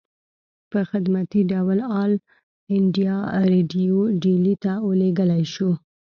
پۀ خدمتي ډول آل انډيا ريډيو ډيلي ته اوليږلی شو